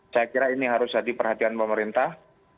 saya kira ini harus jadi perhatian pemerintah